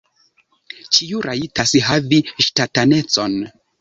Ĉiu rajtas havi ŝtatanecon.